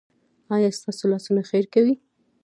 ایا ستاسو لاسونه خیر کوي؟